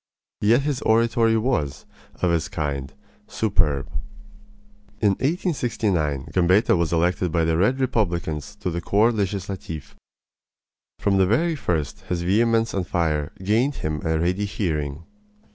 Yet his oratory was, of its kind, superb. In 1869 Gambetta was elected by the Red Republicans to the Corps Legislatif. From the very first his vehemence and fire gained him a ready hearing.